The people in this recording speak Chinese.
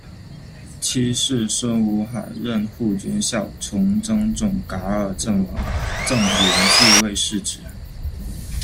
七世孙吴海任护军校从征准噶尔阵亡，赠云骑尉世职。